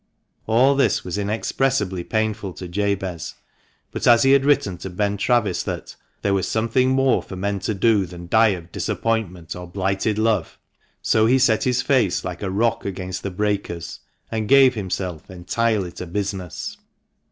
All this was inexpressibly painful to Jabez, but as he had written to Ben Travis that "there was something more for men to do than die of disappointment or blighted love," so he set his face like a rock against the breakers, and gave himself entirely to business.